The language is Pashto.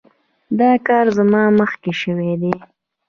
دا کار زما مخکې شوی دی.